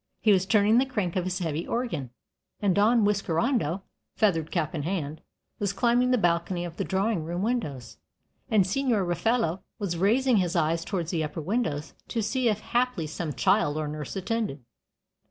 He was turning the crank of his heavy organ, and Don Whiskerando, feathered cap in hand, was climbing the balcony of the drawing room windows, and Signor Raffaello was raising his eyes towards the upper windows to see if haply some child or nurse attended.